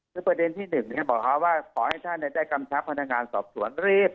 คือประเด็นที่๑บอกเขาว่าขอให้ท่านได้กำชับพนักงานสอบสวนรีบ